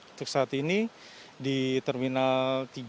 untuk saat ini di terminal tiga